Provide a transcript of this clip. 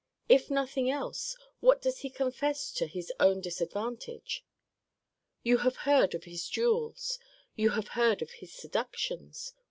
If nothing else, what does he confess to his own disadvantage? You have heard of his duels: you have heard of his seductions.